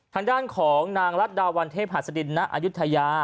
ทางด้านของนางรัฐดาวันเทพหัสดินณอายุทยา